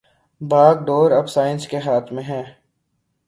باگ ڈور اب سائنس کے ہاتھ میں ھے